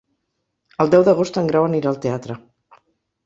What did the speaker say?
El deu d'agost en Grau anirà al teatre.